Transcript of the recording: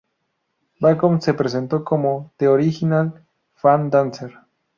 Bacon se presentó como "The Original Fan Dancer".